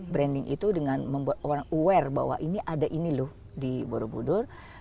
branding itu dengan membuat orang aware bahwa ini ada ini loh di borobudur